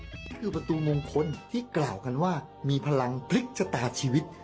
นี่คือประตูมงคลที่กล่าวกันว่ามีพลังพลิกชะตาชีวิต